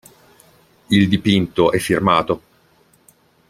Il dipinto è firmato.